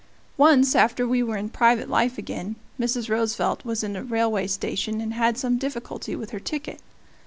Once, after we were in private life again, Mrs. Roosevelt was in a railway station and had some difficulty with her ticket.